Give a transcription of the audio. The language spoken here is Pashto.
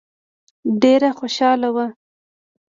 ډېره خوشاله وه.